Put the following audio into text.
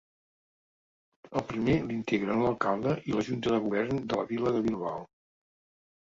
El primer l'integren l'alcalde i la Junta de Govern de la Vila de Bilbao.